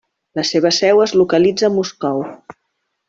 La seva seu es localitza a Moscou.